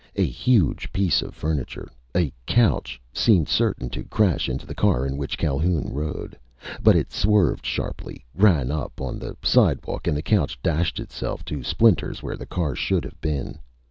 A huge piece of furniture, a couch, seemed certain to crash into the car in which Calhoun rode. But it swerved sharply, ran up on the sidewalk, and the couch dashed itself to splinters where the car should have been.